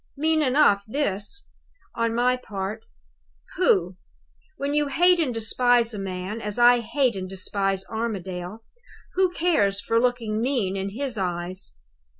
Mean enough this, on my part. Pooh! When you hate and despise a man, as I hate and despise Armadale, who cares for looking mean in his eyes?